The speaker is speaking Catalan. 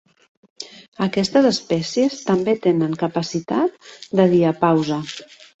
Aquestes espècies també tenen capacitat de diapausa.